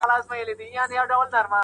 • د خپل جېبه د سگريټو يوه نوې قطۍ وا کړه.